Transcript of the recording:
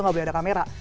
tidak boleh ada kamera